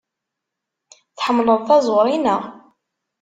Tḥemmleḍ taẓuri, naɣ?